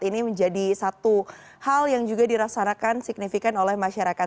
ini menjadi satu hal yang juga dirasakan signifikan oleh masyarakat